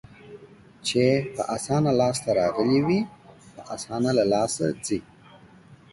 چې په اسانه لاس ته راغلي وي، په اسانه له لاسه ځي.